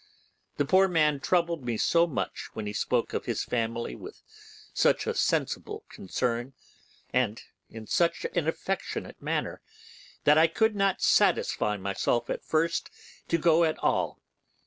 The poor man troubled me so much when he spoke of his family with such a sensible concern and in such an affectionate manner, that I could not satisfy myself at first to go at all.